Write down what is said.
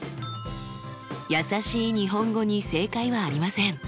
やさしい日本語に正解はありません。